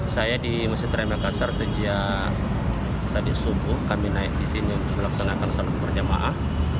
saya di masjid raya makassar sejak tadi subuh kami naik di sini untuk melaksanakan sholat berjamaah